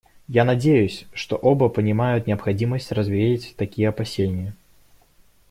Я надеюсь, что оба понимают необходимость развеять такие опасения.